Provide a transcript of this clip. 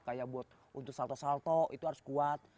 kayak buat untuk salto salto itu harus kuat